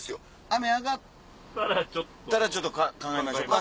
雨上がったらちょっと考えましょうか。